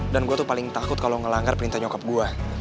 dan gue tuh paling takut kalau ngelanggar perintah nyokap gue